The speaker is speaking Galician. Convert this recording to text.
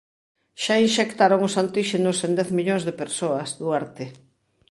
Xa inxectaron os antíxenos en dez millóns de persoas, Duarte.